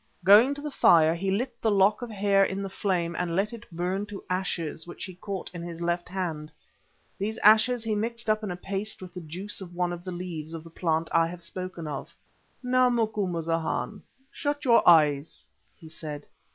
Going to the fire, he lit the lock of hair in the flame, and let it burn to ashes, which he caught in his left hand. These ashes he mixed up in a paste with the juice of one of the leaves of the plant I have spoken of. "Now, Macumazahn, shut your eyes," he said.